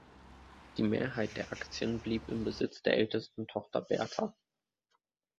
Die Mehrheit der Aktien blieb im Besitz der ältesten Tochter Bertha.